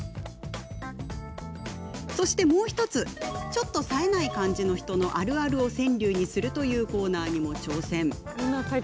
そして、もう１つちょっと、さえない感じの人のあるあるを川柳にするというコーナーにも挑戦。